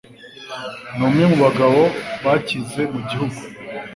ni umwe mu bagabo bakize mu gihugu.